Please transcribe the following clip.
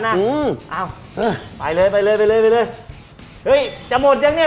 อืมอ้าวไปเลยไปเลยไปเลยไปเลยเฮ้ยจะหมดยังเนี้ย